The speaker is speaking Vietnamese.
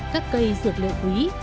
các cây dược liệu quý